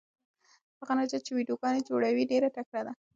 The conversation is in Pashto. هغه نجلۍ چې ویډیوګانې جوړوي ډېره تکړه ده.